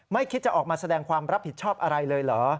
คิดจะออกมาแสดงความรับผิดชอบอะไรเลยเหรอ